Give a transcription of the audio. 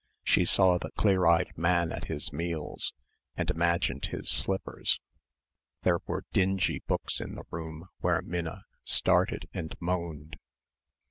She saw the clear eyed man at his meals; and imagined his slippers. There were dingy books in the room where Minna started and moaned.